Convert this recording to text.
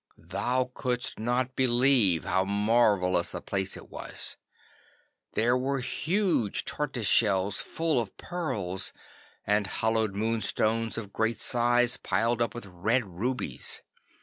'Thou couldst not believe how marvellous a place it was. There were huge tortoise shells full of pearls, and hollowed moonstones of great size piled up with red rubies.